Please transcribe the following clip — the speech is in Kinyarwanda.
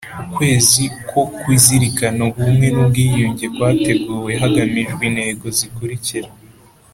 Ukwezi ko kuzirikana Ubumwe n’Ubwiyunge kwateguwe hagamijwe intego zikurikira